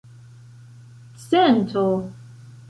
cento